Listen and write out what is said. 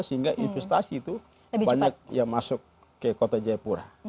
sehingga investasi itu banyak yang masuk ke kota jayapura